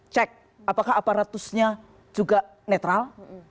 cek apakah aparatusnya juga netral